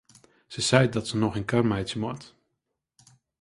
Se seit dat se noch in kar meitsje moat.